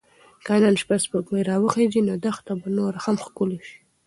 که نن شپه سپوږمۍ راوخیژي نو دښته به نوره هم ښکلې شي.